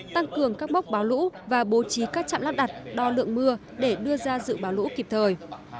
tăng cường các mốc báo lũ và bố trí các chạm lắp đặt đo lượng mưa để đưa ra dự báo lũ kịp thời